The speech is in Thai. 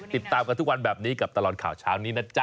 ติดตามกันทุกวันแบบนี้กับตลอดข่าวเช้านี้นะจ๊